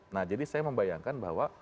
nah jadi saya membayangkan bahwa